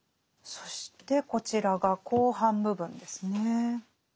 そしてこちらが後半部分ですね。